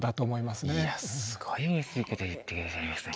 すごいうれしいこと言って下さいますね。